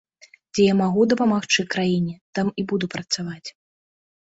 Дзе я магу дапамагчы краіне, там і буду працаваць.